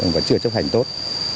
và chưa chấp hành tốt